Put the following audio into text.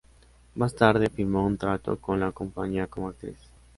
Más tarde, firmó un trato con la compañía como actriz.